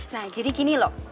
nah jadi gini lho